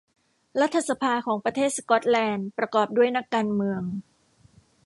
รัฐสภาของประเทศสก๊อตแลนด์ประกอบด้วยนักการเมือง